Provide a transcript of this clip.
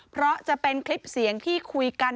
เพราะจะเป็นคลิปเสียงที่คุยกัน